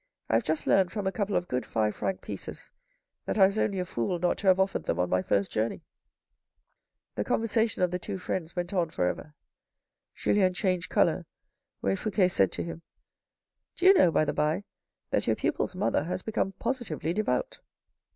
I have just learned from a couple of good five franc pieces that I was only a fool not to have offered them on my first journey." The conversation of the two friends went on for ever. Julien changed coloured when Fouque said to him, " Do you know, by the by, that your pupils' mother has become positively devout."